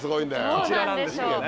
こちらなんですけどね。